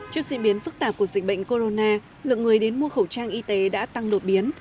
trước diễn biến phức tạp của dịch bệnh corona lượng người đến mua khẩu trang y tế đã tăng lột biến